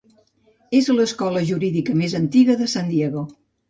És l'escola jurídica més antiga de San Diego.